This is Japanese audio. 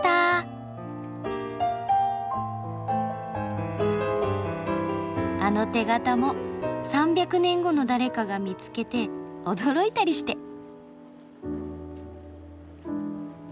・あの手形も３００年後の誰かが見つけて驚いたりして。